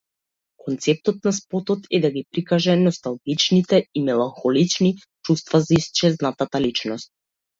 Концептот на спотот е да ги прикаже носталгичните и меланхолични чувства за исчезната личност.